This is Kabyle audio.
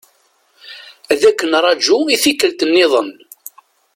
Ad k-nraju i tikkelt-nniḍen.